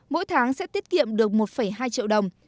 mỗi tháng sẽ tiết kiệm được một hai triệu đồng